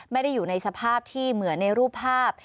ไม่ได้อยู่ในสภาพที่เหมือนในรูปภาพ